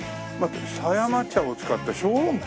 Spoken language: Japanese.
「狭山茶を使った小籠包」？